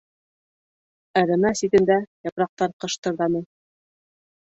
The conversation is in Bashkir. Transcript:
Әрәмә ситендә япраҡтар ҡыштырҙаны.